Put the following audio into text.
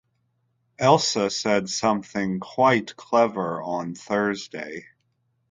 Elsa said something quite clever on Thursday.